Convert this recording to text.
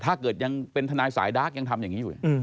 ถ้าเกิดยังเป็นทนายสายดาร์กยังทำอย่างนี้อยู่